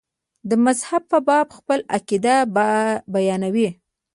د مذهب په باب خپل عقاید بیانوي.